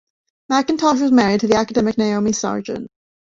McIntosh was married to the academic Naomi Sargant.